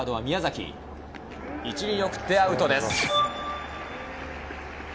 １塁に送ってアウトです。